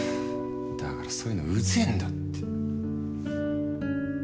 だからそういうのうぜえんだって。